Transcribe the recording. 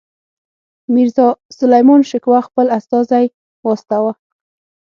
میرزاسلیمان شکوه خپل استازی واستاوه.